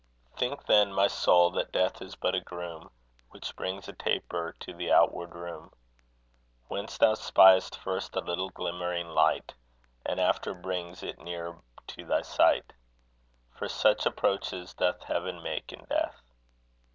Think then, my soul, that death is but a groom Which brings a taper to the outward room, Whence thou spy'st first a little glimmering light; And after brings it nearer to thy sight: For such approaches doth heaven make in death.